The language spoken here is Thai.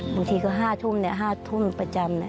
บางทีก็๕ทุ่มประจำ